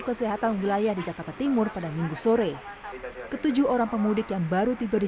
kesehatan wilayah di jakarta timur pada minggu sore ketujuh orang pemudik yang baru tiba di